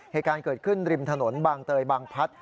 เหตุการณ์เกิดขึ้นริมถนนบางเตยบางพัด